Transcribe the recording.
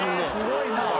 すごいな。